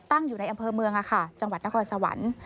อยู่ในอำเภอเมืองจังหวัดนครสวรรค์